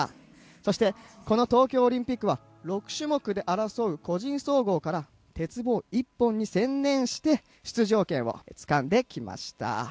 そして、この東京オリンピックは６種目で争う個人総合から鉄棒一本に専念して出場権をつかんできました。